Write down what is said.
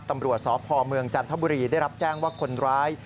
ตำรวจสพเมืองจันทบุรีได้รับแจ้งว่าคนร้าย